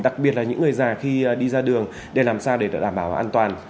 đặc biệt là những người già khi đi ra đường để làm sao để đảm bảo an toàn